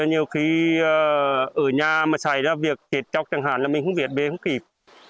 nhiều khi ở nhà mà xảy ra việc tịt chọc chẳng hạn là mình không viết về không kịp